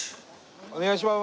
お願いします。